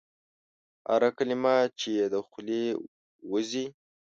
هره کلمه چي یې د خولې وزي ؟